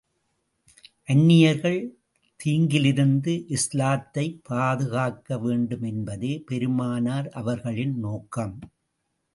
அந்நியர்களின் தீங்கிலிருந்து இஸ்லாத்தைப் பாதுகாக்க வேண்டும் என்பதே பெருமானார் அவர்களின் நோக்கம்.